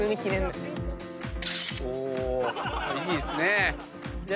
いいですね！